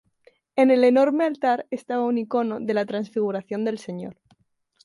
En el enorme altar estaba un icono de la Transfiguración del Señor.